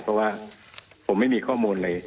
เพราะว่าผมไม่มีข้อมูลอะไร